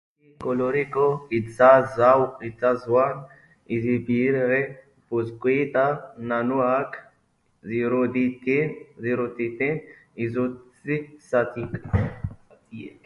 Whisky koloreko itsasoan izeberg pusketa nanoak ziruditen izotz zatiek.